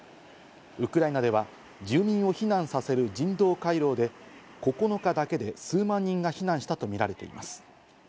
ウクライナでは住民を避難させる人道回廊で９日だけで数万人が避難したとみられています。